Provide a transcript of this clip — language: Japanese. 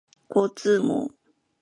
交通網